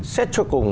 xét cho cùng